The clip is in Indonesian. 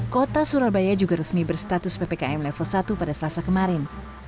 kota surabaya juga resmi berstatus ppkm level satu pada selasa kemarin